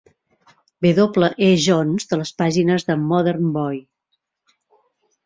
W. E. Johns de les pàgines de "Modern Boy".